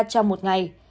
trong một ngày